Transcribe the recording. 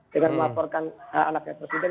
dengan melaporkan anaknya presiden